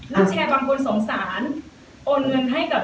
แล้วแชร์บางคนสงสาร